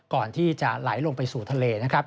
ก่อนที่จะไหลลงไปสู่ทะเลนะครับ